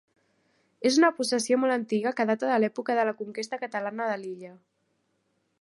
És una possessió molt antiga que data de l'època de la conquesta catalana de l'illa.